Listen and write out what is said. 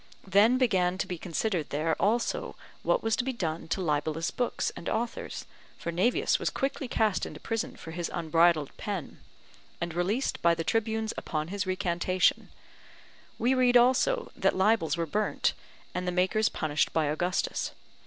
Then began to be considered there also what was to be done to libellous books and authors; for Naevius was quickly cast into prison for his unbridled pen, and released by the tribunes upon his recantation; we read also that libels were burnt, and the makers punished by Augustus.